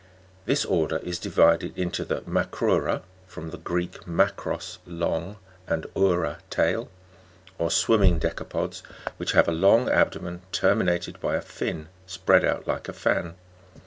2. This order is divided into the Macrou'ra (from the Greek, makros, long, and oura, tail) or swimming decapods, which have a long abdomen terminated by a fin spread out like a fan (Jig.